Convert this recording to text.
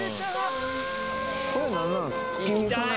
これ何なんですか？